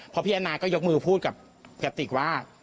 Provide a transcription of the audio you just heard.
พอพี่แอนนาก็ยกมือพูดกับกระติกว่า